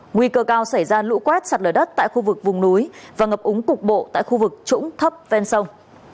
nguy cơ cao xảy ra lũ quét sạt lở đất tại khu vực vùng núi và ngập úng cục bộ tại khu vực trũng thấp ven sông